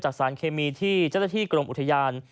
จากสารเคมีที่เจรฐฐีกรุมอุทยาน